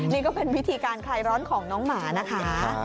นี่ก็เป็นวิธีการคลายร้อนของน้องหมานะคะ